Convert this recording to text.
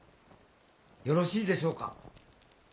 よろしいでしょうか？